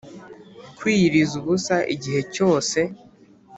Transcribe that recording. Kwiyiriza ubusa igihe cyose